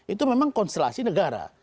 itu memang konstelasi negara